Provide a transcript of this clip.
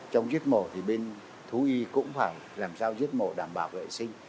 trong giết mổ thì bên thú y cũng phải làm sao giết mổ đảm bảo vệ sinh